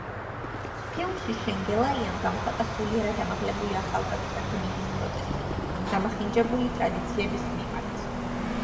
ფილმში შენგელაიამ გამოხატა სულიერად ამაღლებული ახალგაზრდა გმირის პროტესტი დამახინჯებული ტრადიციების მიმართ.